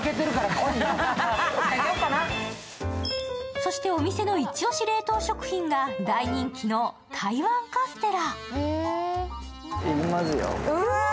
そしてお店の一押し冷凍食品が大人気の台湾カステラ。